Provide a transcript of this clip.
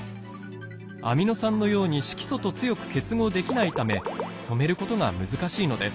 アミノ酸のように色素と強く結合できないため染めることが難しいのです。